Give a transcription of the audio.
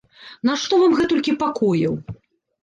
Нашто вам гэтулькі пакояў?